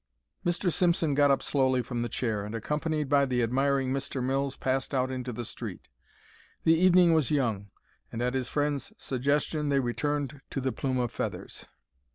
Mr. Simpson got up slowly from the chair and, accompanied by the admiring Mr. Mills, passed out into the street. The evening was young, and, at his friend's suggestion, they returned to the Plume of Feathers.